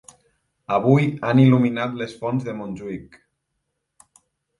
Avui han il·luminat les fonts de Montjuïc.